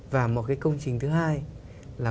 và một cái công trình thứ hai là